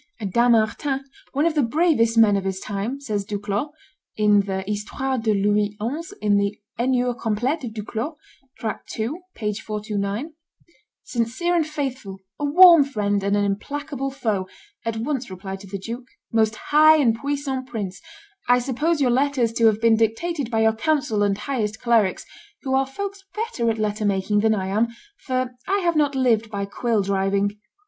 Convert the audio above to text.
Dampmartin, "one of the bravest men of his time," says Duclos [Histoire de Louis XI in the (Enures completes of Duclos, t. ii. p. 429), "sincere and faithful, a warm friend and an implacable foe, at once replied to the duke, 'Most high and puissant prince, I suppose your letters to have been dictated by your council and highest clerics, who are folks better at letter making than I am, for I have not lived by quill driving.